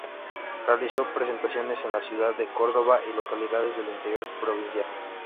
Realizó presentaciones en la ciudad de Córdoba y localidades del interior provincial.